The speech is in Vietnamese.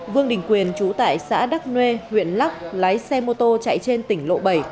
vương đình quyền chú tại xã đắk nhuê huyện lắk lái xe mô tô chạy trên tỉnh lộ bảy